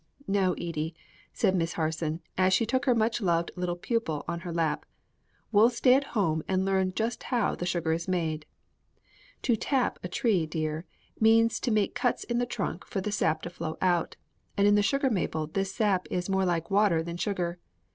"No, Edie," said Miss Harson as she took her much loved little pupil on her lap; "we'll stay at home and learn just how the sugar is made. To tap a tree, dear, means to make cuts in the trunk for the sap to flow out, and in the sugar maple this sap is more like water than sugar.